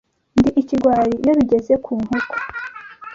Ndi ikigwari iyo bigeze ku nkoko.